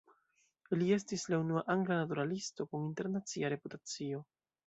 Li estis la unua angla naturalisto kun internacia reputacio.